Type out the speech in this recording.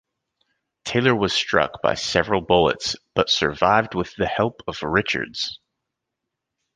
Taylor was struck by several bullets but survived with the help of Richards.